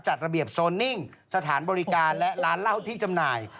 จัดระเบียบโซนนิ่งสถานบริการและร้านเหล้าที่จำหน่าย